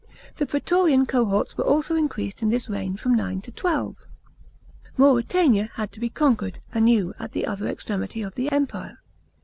The praetorian cohorts were also increased in this reign from nine to twelve. Manretania had 10 be conquered anew at the other extremity of the Empire.